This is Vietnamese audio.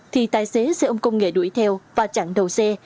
thì tài xế xe ôm công nghệ đuổi theo và chặn đầu xe